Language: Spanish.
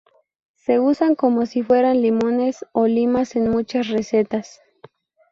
Se usan como si fueran limones o limas en muchas recetas.